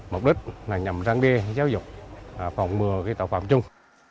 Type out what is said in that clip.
mục đích là nhằm răng bia giáo dục phòng mưa tạo phạm chung